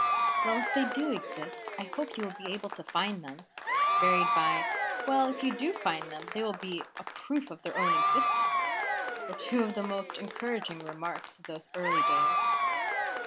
"Well, if they do exist, I hope you will be able to find them!" varied by, "Well, if you do find them, they will be a proof of their own existence!" were two of the most encouraging remarks of those early days.